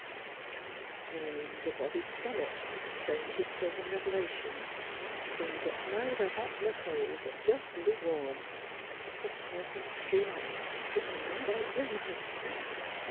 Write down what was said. It kind o' turns a body's stomick, same 's it says in Rev'lations: things that's neither hot ner cold, but jest lukewarm, makes a puss'n feel like spittin' 'em right out their mouth.